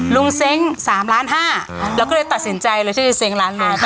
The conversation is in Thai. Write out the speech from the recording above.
ลุงเซ้ง๓ล้าน๕แล้วก็เลยตัดสินใจเลยที่จะเซ้งร้านเลย